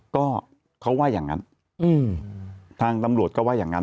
ก็เขาว่าอย่างนั้นทางตำรวจก็ว่าอย่างนั้น